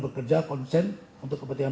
bekerja konsen untuk kepentingan